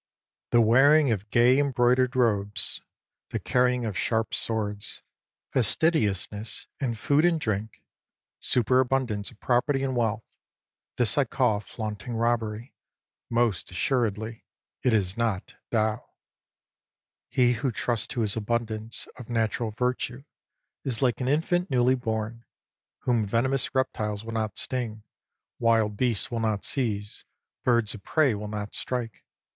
The wearing of gay embroidered robes, the carrying of sharp swords, fastidiousness in food and drink, superabundance of property and wealth :— this I call flaunting robbery ; most assuredly it is not Tao. He who trusts to his abundance of natural virtue is like an infant newly born, whom venomous reptiles will not sting, wild beasts will not seize, birds of prey will not strike.